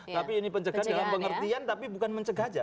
tapi ini pencegahan dalam pengertian tapi bukan mencegah saja